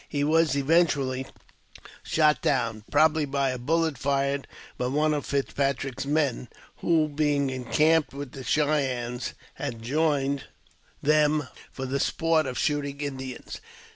He was eventually shot down, probably by £u bullet fired by one of Fitzpatrick's men, who, being encamped with the Cheyennes, had joined them for the sport of shooting Indians.